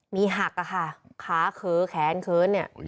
มีหักอะค่ะขาเขินแขนเขินเนี่ย